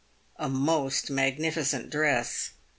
A most magnificent dress.